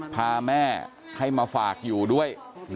พาแม่ให้มาฝากอยู่ด้วย